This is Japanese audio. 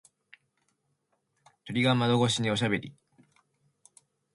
鳥が窓越しにおしゃべり。